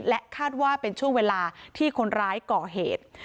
และคาดว่าเป็นช่วงเวลาที่คนร้ายก่อเหตุ